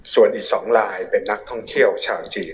ส่วนอีก๒ลายเป็นนักท่องเที่ยวชาวจีน